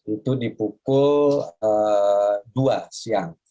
itu di pukul dua siang